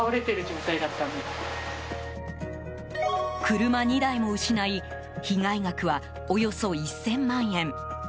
車２台も失い被害額は、およそ１０００万円。